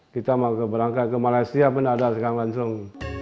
kita mau berangkat ke malaysia pun ada sekarang langsung